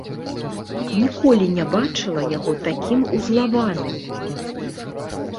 Ніколі не бачыла яго такім узлаваным.